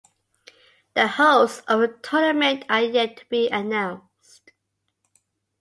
The hosts of the tournament are yet to be announced.